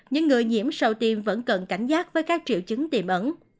những người nhiễm sau tiêm vẫn cần cảnh giác với các triệu chứng tiềm ẩn